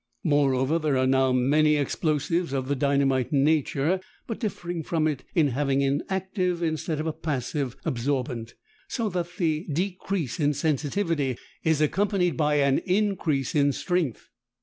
Moreover, there are now many explosives of the dynamite nature but differing from it in having an active instead of a passive absorbent, so that the decrease in sensitivity is accompanied by an increase in strength.